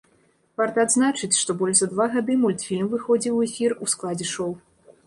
Варта адзначыць, што больш за два гады мультфільм выходзіў у эфір у складзе шоў.